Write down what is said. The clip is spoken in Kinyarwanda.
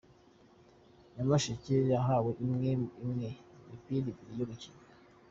Nyamasheke, zahawe imwe imwe imipira ibiri yo gukina.